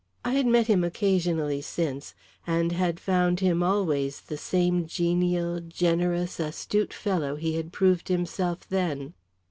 I had met him occasionally since, and had found him always the same genial, generous, astute fellow he had proved himself then.